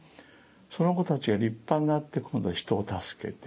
そのコたちが立派になって今度は人を助けて。